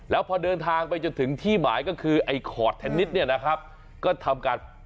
แล้วพอเดินทางไปจนถึงที่หมายก็คือไอ้ขอดเทนนิสเนี่ยนะครับก็ทำการ